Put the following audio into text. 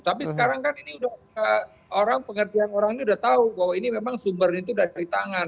tapi sekarang kan ini udah orang pengertian orang ini udah tahu bahwa ini memang sumbernya itu dari tangan